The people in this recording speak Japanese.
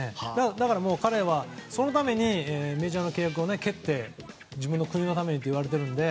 だから、彼はそのためにメジャーの契約を蹴って国のために出られたので